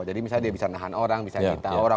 jadi misalnya dia bisa menahan orang bisa mencintai orang